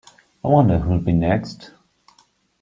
I wonder who'll be next?